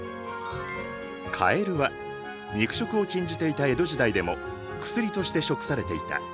かえるは肉食を禁じていた江戸時代でも薬として食されていた。